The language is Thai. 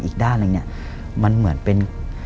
อีกด้านหนึ่งเนี่ยมันเหมือนเป็น